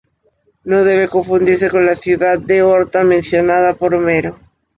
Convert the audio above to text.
No debe confundirse con la ciudad de Orta, mencionada por Homero.